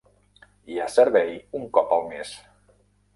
Hi ha servei un cop al mes.